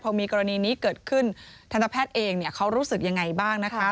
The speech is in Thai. พอมีกรณีนี้เกิดขึ้นทันตแพทย์เองเขารู้สึกยังไงบ้างนะคะ